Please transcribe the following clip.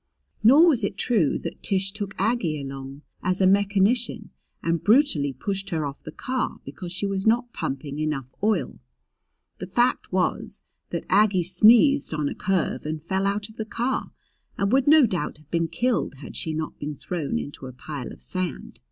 Nor was it true that Tish took Aggie along as a mechanician and brutally pushed her off the car because she was not pumping enough oil. The fact was that Aggie sneezed on a curve and fell out of the car, and would no doubt have been killed had she not been thrown into a pile of sand.